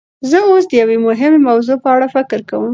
زه اوس د یوې مهمې موضوع په اړه فکر کوم.